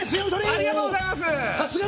ありがとうございます！